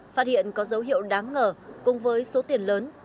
phát hiện có dấu hiệu đáng ngờ cùng với số tiền lớn